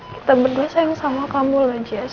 kita berdua sayang sama kamu loh jess